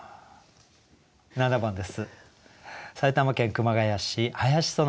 ７番です。